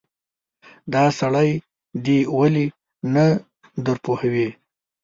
دا سړی دې ولې نه درپوهوې.